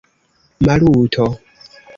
Maluto!